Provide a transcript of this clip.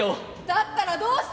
「だったらどうして！」。